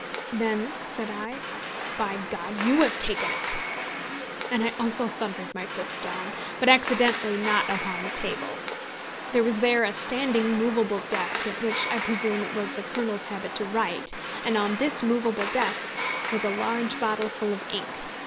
"Then," said I, "by G ! you have taken it." And I also thundered my fist down; but, accidentally, not upon the table. There was there a standing movable desk, at which, I presume, it was the Colonel's habit to write, and on this movable desk was a large bottle full of ink.